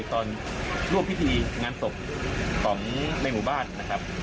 ตอนร่วมพิธีงานศพของในหมู่บ้านนะครับ